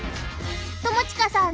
友近さん